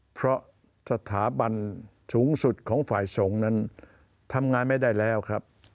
เพราะสถาบันสูงสุดของฝ่ายสงฆ์นั้นทำงานไม่ได้แล้วครับ